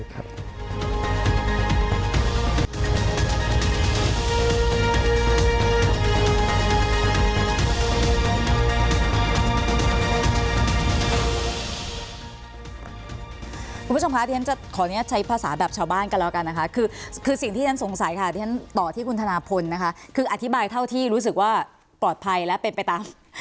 คุณผู้ชมคะที่ฉันจะขออนุญาตใช้ภาษาแบบชาวบ้านกันแล้วกันนะคะคือสิ่งที่ฉันสงสัยค่ะที่ฉันต่อที่คุณธนาพลนะคะคืออธิบายเท่าที่รู้สึกว่าปลอดภัยและเป็นไปตาม